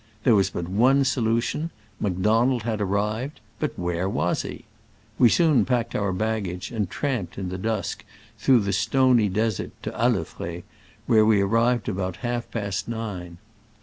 There was but one solution — Macdonald had arrived, but where was he ? We soon packed our baggage, and tramped in the dusk, through the stony desert, to Alefred, where we ar rived about half past nine.